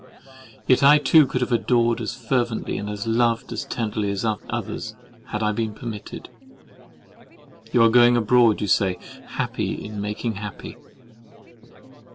Yet I too could have adored as fervently, and loved as tenderly as others, had I been permitted. You are going abroad, you say, happy in making happy.